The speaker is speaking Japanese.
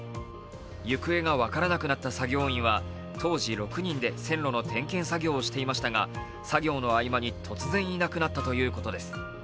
行方が分からなくなった作業員は当時６人で線路の点検作業をしていましたが作業の合間に突然いなくなったということです。